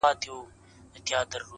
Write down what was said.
نه خيام سته د توبو د ماتولو؛